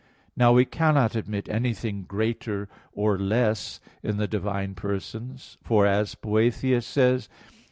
Now we cannot admit anything greater or less in the divine persons; for as Boethius says (De Trin.